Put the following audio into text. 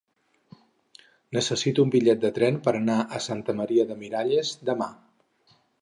Necessito un bitllet de tren per anar a Santa Maria de Miralles demà.